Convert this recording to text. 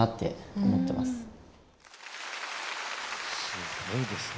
すごいですね。